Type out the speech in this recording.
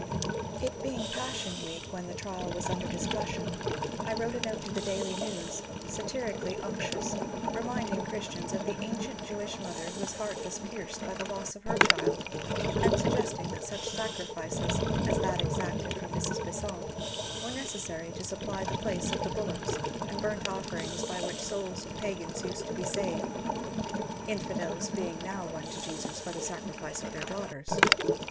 It being Passion Week when the trial was under discussion, I wrote a note to the *^ Daily News," satirically unctuous, re minding Christians of the ancient Jewish mother whose heart was pierced by the loss of her child ; and suggesting that such sacrifices as that exacted from Mrs. Besant were necessary to supply the place of the bullocks and burnt offerings by which souls of pagans used to be saved, *^ infidels " being now won to Jesus by the sacrifice of their daughters.